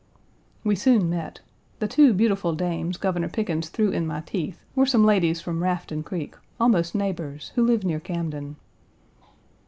We soon met. The two beautiful dames Governor Pickens threw in my teeth were some ladies from Rafton Creek, almost neighbors, who live near Camden.